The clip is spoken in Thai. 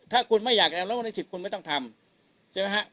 ถ้าคุณไม่อยากแล้วแล้วในสิทธิ์คุณไม่ต้องทำใช่ไหมฮะ